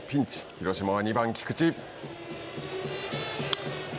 広島は２番菊池。